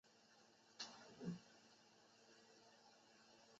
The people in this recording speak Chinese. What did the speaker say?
但仅仅十年后图书馆就已用满了扩建部分。